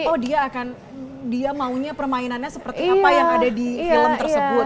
oh dia akan dia maunya permainannya seperti apa yang ada di film tersebut